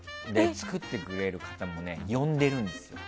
作ってくれる方も呼んでいるんですよ。